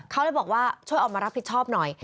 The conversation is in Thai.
เขาเลยบอกว่าช่วยออกมารับผิดชอบหน่อย